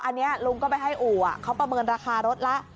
อันนี้ลุงก็ไปให้อู่เขาประเมินราคารถแล้ว